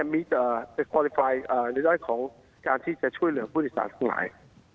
มีแต่คอลิไฟล์ในด้านของการที่จะช่วยเหลือผู้โดยสารทั้งหลาย